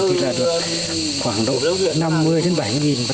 thì là được khoảng độ